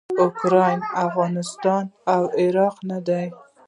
اوکراین افغانستان او عراق نه دي.